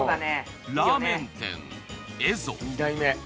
ラーメン店蝦夷。